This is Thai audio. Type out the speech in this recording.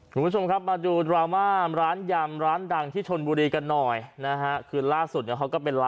คุณผู้ชมครับมาดูดราม่าร้านยำร้านดังที่ชนบุรีกันหน่อยนะฮะคือล่าสุดเนี่ยเขาก็เป็นร้าน